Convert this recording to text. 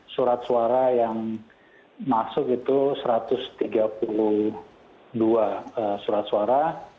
surat suara yang masuk itu satu ratus tiga puluh dua surat suara